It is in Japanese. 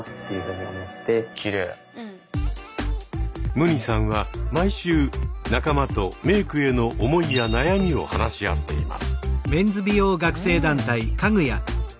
ＭＵＮＩさんは毎週仲間とメークへの思いや悩みを話し合っています。